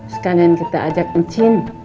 sekalian kita ajak encin